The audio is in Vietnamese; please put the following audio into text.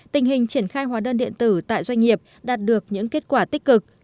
tình hình triển khai hóa đơn điện tử tại doanh nghiệp đạt được những kết quả tích cực